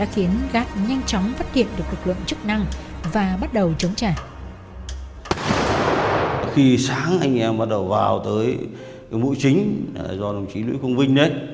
khi sáng anh em bắt đầu vào tới mũi chính do đồng chí lũy công vinh